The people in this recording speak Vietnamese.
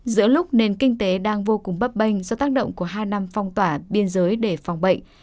giữa lúc nền kinh tế đang vô cùng bấp bênh do tác động của hai năm phong tỏa biên giới để phòng bệnh